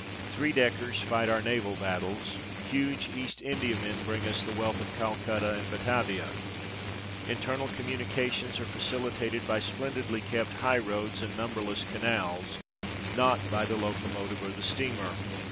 Three deckers fight our naval battles, huge East Indiamen bring us the wealth of Calcutta and Batavia. Internal communications are facilitated by splendidly kept high roads and numberless canals, not by the locomotive or the steamer.